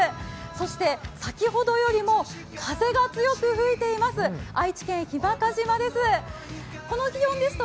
そして先ほどよりも風が強く吹いています愛知県日間賀島です。